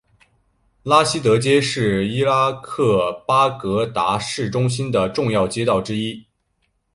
拉希德街是伊拉克巴格达市中心的重要街道之一。